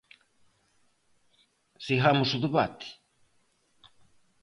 Sigamos o debate.